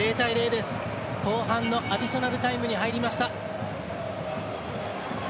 後半のアディショナルタイムに入りました。